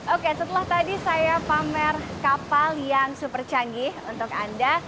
oke setelah tadi saya pamer kapal yang super canggih untuk anda